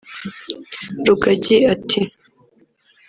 ; Rugagi ati